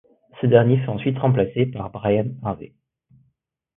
Ce dernier fut ensuite remplacé par Brian Harvey.